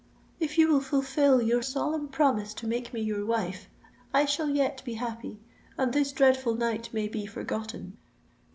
"If you will fulfil your solemn promise to make me your wife, I shall yet be happy—and this dreadful night may be forgotten.